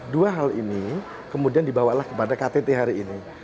dua hal ini kemudian dibawalah kepada ktt hari ini